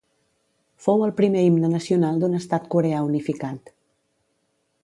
Fou el primer himne nacional d'un estat coreà unificat.